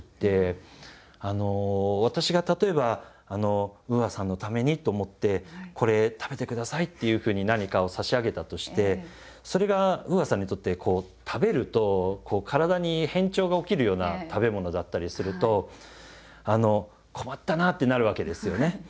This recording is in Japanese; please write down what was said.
私が例えばＵＡさんのためにと思って「これ食べてください」っていうふうに何かを差し上げたとしてそれがＵＡさんにとって食べると体に変調が起きるような食べ物だったりすると「困ったな」ってなるわけですよね。